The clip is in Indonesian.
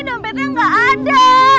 dompetnya gak ada